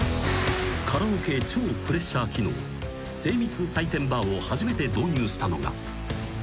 ［カラオケ超プレッシャー機能精密採点バーを初めて導入したのが］